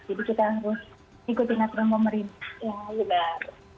jadi kita harus ikutin aturan pemerintah